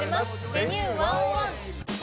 「Ｖｅｎｕｅ１０１」。